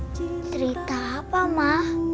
cerita apa ma